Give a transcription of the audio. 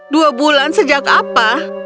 dua bulan sejak apa